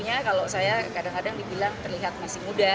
anak muda anak muda dan juga anak anak muda tentunya